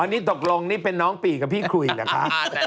นี่ตกลงนี่เป็นน้องปีกับพี่คุยเหรอคะ